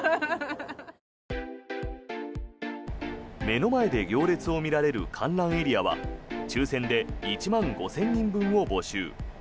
目の前で行列を見られる観覧エリアは抽選で１万５０００人分を募集。